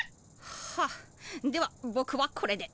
はあではぼくはこれで。